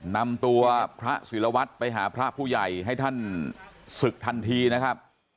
นำตัวพระศิลวัตรไปหาพระผู้ใหญ่ให้ท่านศึกทันทีนะครับ